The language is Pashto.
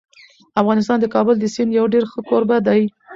افغانستان د کابل د سیند یو ډېر ښه کوربه دی.